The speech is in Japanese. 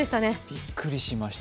びっくりしました。